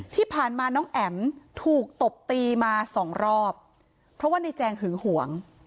ที่ผ่านมาน้องแอ๋มถูกตบตีมาสองรอบเพราะว่าในแจงหึงหวง